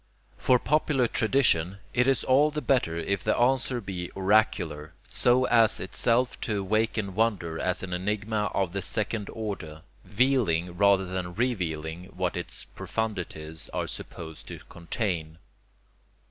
For popular tradition, it is all the better if the answer be oracular, so as itself to awaken wonder as an enigma of the second order, veiling rather than revealing what its profundities are supposed to contain.